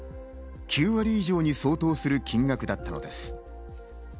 ９割以上に相当する金額だったのです。